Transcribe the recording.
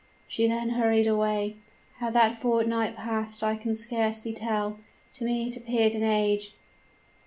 "She then hurried away. How that fortnight passed I can scarcely tell. To me it appeared an age.